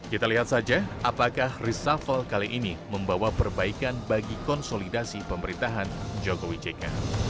kita lihat saja apakah reshuffle kali ini membawa perbaikan bagi konsolidasi pemerintahan jokowi jk